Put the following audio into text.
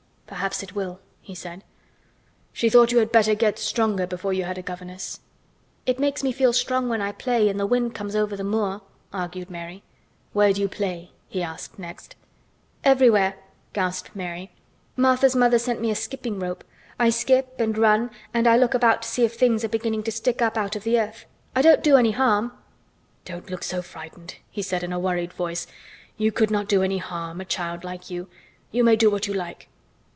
Perhaps it will," he said. "She thought you had better get stronger before you had a governess." "It makes me feel strong when I play and the wind comes over the moor," argued Mary. "Where do you play?" he asked next. "Everywhere," gasped Mary. "Martha's mother sent me a skipping rope. I skip and run—and I look about to see if things are beginning to stick up out of the earth. I don't do any harm." "Don't look so frightened," he said in a worried voice. "You could not do any harm, a child like you! You may do what you like."